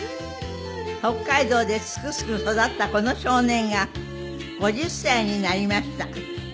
北海道ですくすく育ったこの少年が５０歳になりました。